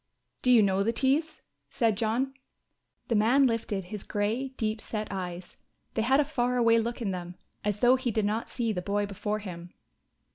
"Do you know the Tees?" said John. The man lifted his grey deep set eyes; they had a far away look in them, as though he did not see the boy before him.